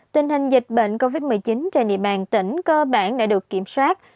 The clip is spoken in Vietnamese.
tình hình dịch bệnh covid một mươi chín trên địa bàn tỉnh cơ bản đã được kiểm soát